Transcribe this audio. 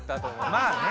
まあね。